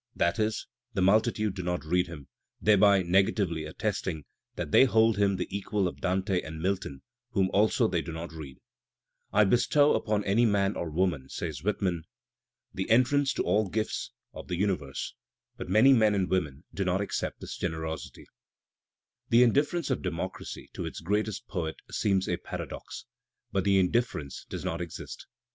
That is, the multitude do not read him, thereby negatively attesting that they hold him the equal of Dante and Milton, whom also they do not read. "I bestow upon any man or woman," says Whitman, "the entrance to all the gifts of the uni Digitized by Google 212 THE SPIRIT OF AMERICAN LITERATURE verse." But many men and women do not accept his generosity, f The indifference of democracy to its greatest poet seems a \ paradox, but the indifference does not exist.